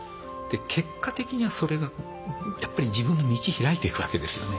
結果的にはそれがやっぱり自分の道開いていくわけですよね。